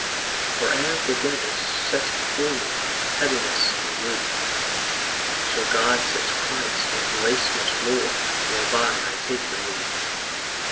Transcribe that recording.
For as the devil sets before Me heaviness and grief, So God sets Christ and grace much more, Whereby I take relief.